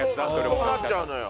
そうなっちゃうのよ。